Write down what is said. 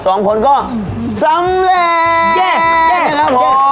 สองคนก็สำเร็จนะครับผม